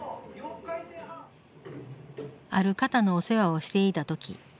ある方のお世話をしていた時。